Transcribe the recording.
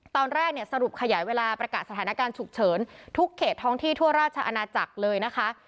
ตอนแรกเนี่ยสรุปขยายเวลาประกาศสถานการณ์ฉุกเฉินทุกเขตท้องที่ทั่วราชอาณาจักรเลยนะคะ